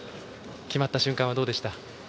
決まった瞬間はどうでしたか？